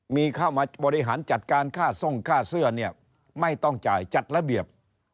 มีเข้ามาบริหารจัดการค่าทรงค่าเสื้อเนี่ยไม่ต้องจ่ายจัดระเบียบ